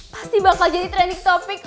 pasti bakal jadi trending topic